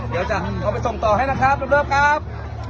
เดี๋ยวจะเอาไปส่งต่อให้นะครับคุณเลิฟครับ